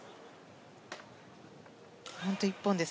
本当に１本です。